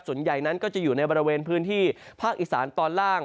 ส่วนใหญ่นั้นก็จะอยู่ในบริเวณพื้นที่ภาคอีสานตอนล่าง